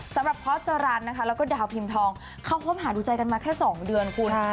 สำหรับพอสรันนะคะแล้วก็ดาวพิมพ์ทองเขาคบหาดูใจกันมาแค่๒เดือนคุณ